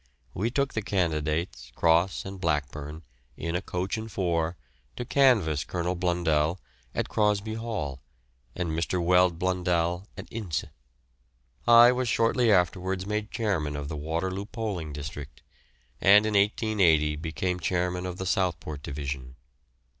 We took the candidates, Cross and Blackburn, in a coach and four, to canvass Colonel Blundell at Crosby Hall, and Mr. Weld Blundell at Ince. I was shortly afterwards made chairman of the Waterloo Polling District, and in 1880 became chairman of the Southport Division.